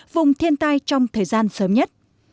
vùng thiên tài trong thời gian sớm nhất